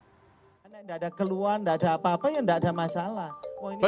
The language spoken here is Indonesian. karena tidak ada keluhan tidak ada apa apa ya tidak ada masalah